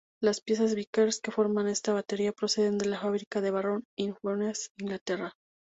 Las piezas Vickers que forman esta batería proceden de la Fábrica de Barrow-in-Furness, Inglaterra.